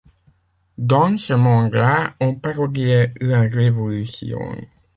Dans ce monde-là on parodiait la révolution.